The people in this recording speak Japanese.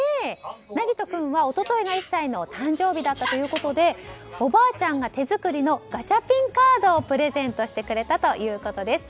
椰人君は一昨日が１歳の誕生日だったということでおばあちゃんが手作りのガチャピンカードをプレゼントしてくれたということです。